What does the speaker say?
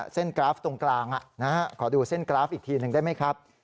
กราฟตรงกลางขอดูเส้นกราฟอีกทีหนึ่งได้ไหมครับ